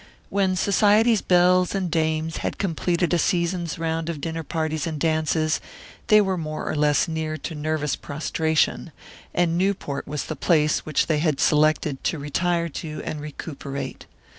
When Society's belles and dames had completed a season's round of dinner parties and dances, they were more or less near to nervous prostration, and Newport was the place which they had selected to retire to and recuperate.